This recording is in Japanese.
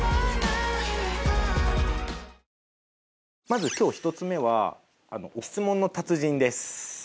まず今日１つ目は「質問の達人」です。